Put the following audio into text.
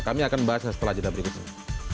kami akan bahas setelah jeda berikut ini